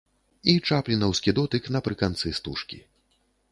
І чаплінаўскі дотык напрыканцы стужкі.